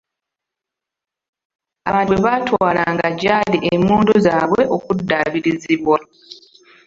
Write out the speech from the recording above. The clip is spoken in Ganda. Abantu bwe baatwalanga gy'ali emmundu zaabwe okuddaabirizibwa.